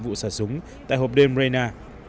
vụ xả súng tại hộp đêm reyna